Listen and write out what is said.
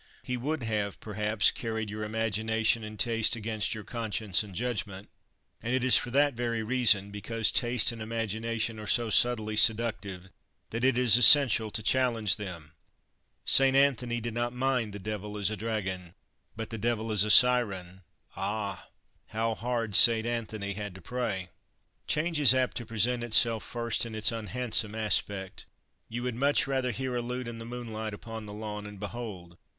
he would have, perhaps, carried your imagination and taste against your conscience and judgment. And it is for that very reason because taste and imagination are so subtly seductive that it is essential to challenge them. St. Anthony did not mind the devil as a dragon; but the devil as a siren ah! how hard St. Anthony had to pray! Change is apt to present itself first in its unhandsome aspect. You would much rather hear a lute in the moonlight upon the lawn, and behold!